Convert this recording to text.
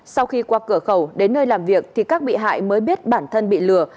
sau khi qua cửa khẩu đến nơi làm việc thì các bị hại mới biết bản thân bị lừa